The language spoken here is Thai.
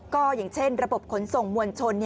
ก็อย่างเช่นระบบขนส่งมวลชน